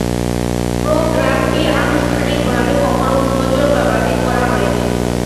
প্রোগ্রামটি আনুষ্ঠানিকভাবে কখনো উন্মোচন বা বাতিল করা হয়নি।